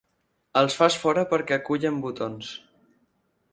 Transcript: Els fas fora perquè acullen botons.